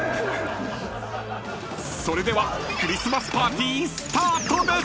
［それではクリスマスパーティースタートです！］